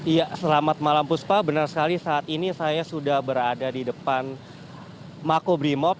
ya selamat malam puspa benar sekali saat ini saya sudah berada di depan makobrimob